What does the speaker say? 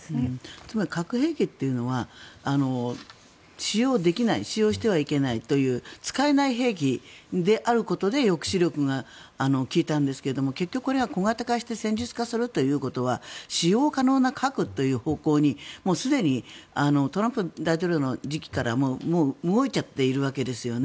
つまり核兵器っていうのは使用できない使用してはいけないという使えない兵器であることで抑止力が利いたんですけど結局これが小型化して戦術化するっていうことは使用可能な核という方向にもうすでにトランプ大統領の時期から動いちゃっているわけですよね。